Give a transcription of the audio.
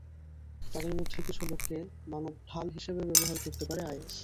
তাদের মধ্যে কিছু লোককে মানব ঢাল হিসেবে ব্যবহার করতে পারে আইএস।